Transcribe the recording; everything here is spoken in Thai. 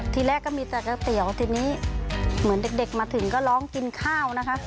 ทีแรกก็มีแต่ก๋วยเตี๋ยวทีนี้เหมือนเด็กมาถึงก็ร้องกินข้าวนะคะ